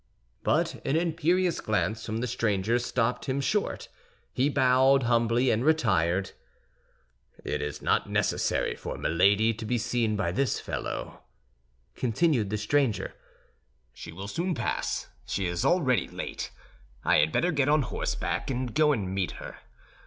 But an imperious glance from the stranger stopped him short; he bowed humbly and retired. "It is not necessary for Milady* to be seen by this fellow," continued the stranger. "She will soon pass; she is already late. I had better get on horseback, and go and meet her.